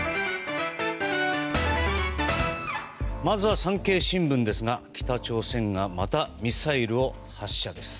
まずは産経新聞ですが北朝鮮がまたミサイルを発射です。